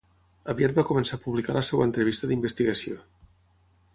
Aviat va començar a publicar la seva entrevista d'investigació.